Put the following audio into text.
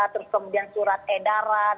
terus kemudian surat edaran